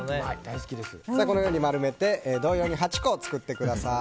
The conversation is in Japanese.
このように丸めて同様に８個作ってください。